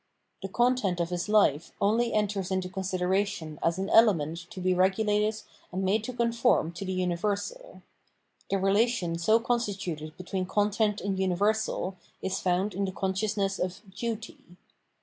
The content of his life only enters into consideration as an element to be regulated and made to conform to the universal : the relation so constituted between content and universal is 606 607 Morality found in the consciousness of Duty.